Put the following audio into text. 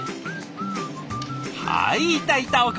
はいいたいた！